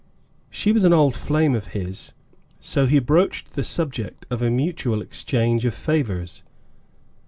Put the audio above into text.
She was an old flame of his, so he broached the subject of a mutual exchange of favors.